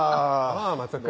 あぁ松尾君。